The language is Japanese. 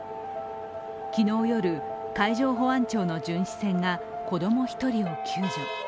昨日夜、海上保安庁の巡視船が子供１人を救助。